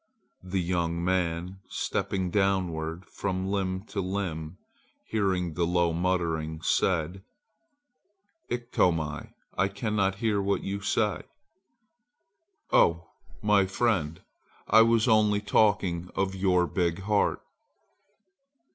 The young man, stepping downward from limb to limb, hearing the low muttering, said: "Iktomi, I cannot hear what you say!" "Oh, my friend, I was only talking of your big heart."